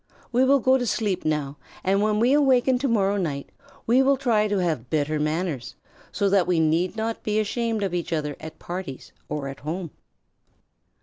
"We will go to sleep now, and when we awaken to morrow night we will try to have better manners, so that we need not be ashamed of each other at parties or at home."